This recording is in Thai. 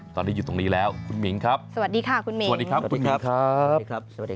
ตอนนี้อยู่ตรงนี้แล้วคุณหมิงครับสวัสดีค่ะคุณหมิงสวัสดีครับคุณหมิงครับ